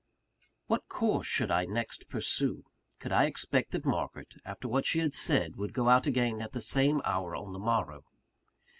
What course should I next pursue? Could I expect that Margaret, after what she had said, would go out again at the same hour on the morrow?